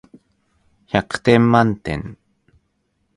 百点満点